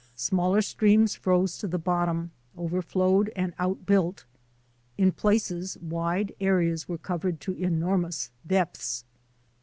Smaller streams froze to the bottom, overflowed and outbuilt. In places wide areas were covered to enormous depths.